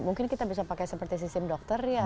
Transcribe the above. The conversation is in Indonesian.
mungkin kita bisa pakai seperti sistem dokter ya